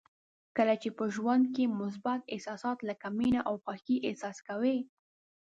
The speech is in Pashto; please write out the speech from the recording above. کله چې په ژوند کې مثبت احساسات لکه مینه او خوښي احساس کوئ.